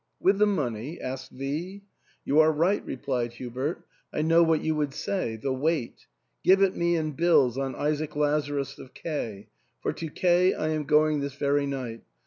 " With the money ?" asked V "You are right," replied Hubert ; "I know what you would say— the weight ! Give it me in bills on Isaac Lazarus of K . For to K I am going this very night.